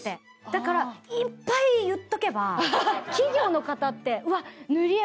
だからいっぱい言っておけば企業の方って「うわっぬりえ！